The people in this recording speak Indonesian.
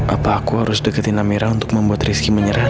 apa aku harus deketin amirah untuk membuat rizky menyerah